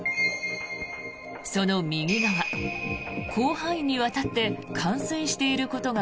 その右側、広範囲にわたって冠水していることが